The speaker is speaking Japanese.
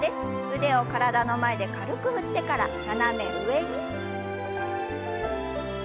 腕を体の前で軽く振ってから斜め上に。